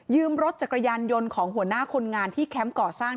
รถจักรยานยนต์ของหัวหน้าคนงานที่แคมป์ก่อสร้าง